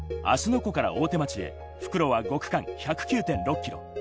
湖から大手町へ、復路は５区間１０９．６ｋｍ。